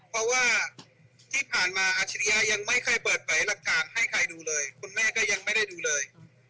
เพราะว่าที่ผ่านมาอาชิริยะยังไม่เคยเปิดเผยหลักการให้ใครดูเลยคุณแม่ก็ยังไม่ได้ดูเลย